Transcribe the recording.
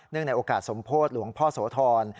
เนื่องในโอกาสสมโพธิ์หลวงพ่อสวทร